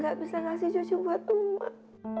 gak bisa kasih cucu buat umat